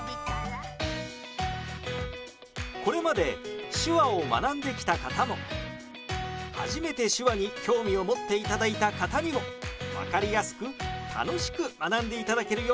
これまで手話を学んできた方も初めて手話に興味を持っていただいた方にも分かりやすく楽しく学んでいただけるよう